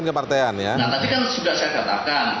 nah tadi kan sudah saya katakan